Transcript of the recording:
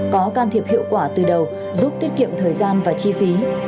có can thiệp hiệu quả từ đầu giúp tiết kiệm thời gian và chi phí